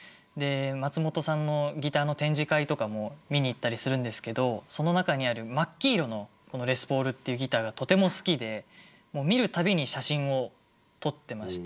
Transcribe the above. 松本さんのギターの展示会とかも見に行ったりするんですけどその中にある真っ黄色のレスポールっていうギターがとても好きで見る度に写真を撮ってまして。